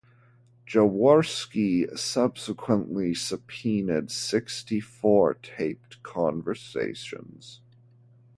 Jaworski subsequently subpoenaed sixty-four taped conversations.